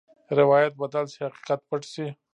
روایت بدل شي، حقیقت پټ شي.